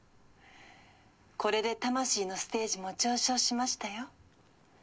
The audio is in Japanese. これで魂のステージも上昇しましたよ。